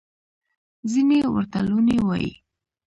ځینې ورته لوني وايي.